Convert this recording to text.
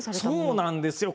そうなんですよ。